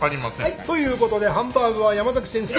はいということでハンバーグは山崎先生に移動。